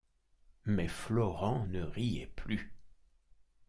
Mais Florent ne riait plus.